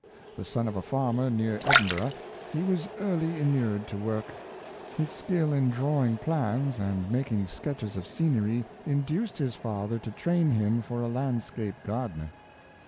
The son of a farmer near Edinburgh, he was early inured to work. His skill in drawing plans and making sketches of scenery induced his father to train him for a landscape gardner.